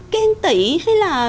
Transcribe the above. khen tị hay là